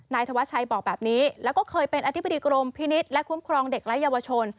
ธวัชชัยบอกแบบนี้แล้วก็เคยเป็นอธิบดีกรมพินิษฐ์และคุ้มครองเด็กและเยาวชน